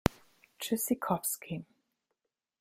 Tschüssikowski!